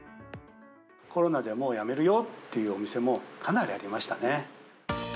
コロナでもうやめるよっていうお店もかなりありましたね。